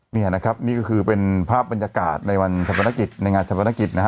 เนี้ยนะครับนี่ก็คือเป็นภาพบรรยากาศในวันศัพท์ธนกิจในงานศัพท์ธนกิจนะฮะ